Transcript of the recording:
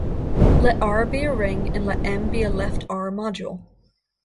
Let "R" be a ring, and let "M" be a left "R"-module.